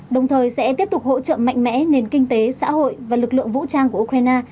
đồng thời sẽ tiếp tục hỗ trợ mạnh mẽ nền kinh tế xã hội và lực lượng vũ trang của ukraine